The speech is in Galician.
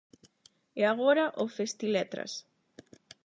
E agora o Festiletras...